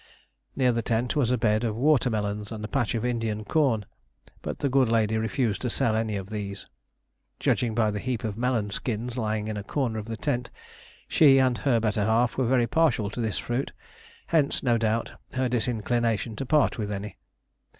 Near the tent was a bed of water melons and a patch of Indian corn; but the good lady refused to sell any of these. Judging by the heap of melon skins lying in a corner of the tent, she and her better half were very partial to this fruit; hence, no doubt, her disinclination to part with any.